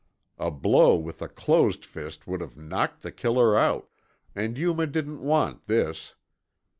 A blow with a closed fist would have knocked the killer out, and Yuma didn't want this.